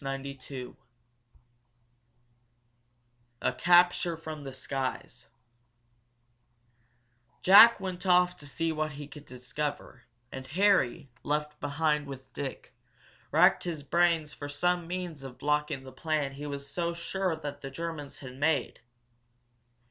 CHAPTER XVII A CAPTURE FROM THE SKIES Jack went off to see what he could discover, and Harry, left behind with Dick, racked his brains for some means of blocking the plan he was so sure the Germans had made.